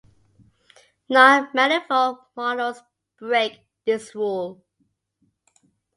Non-manifold models break this rule.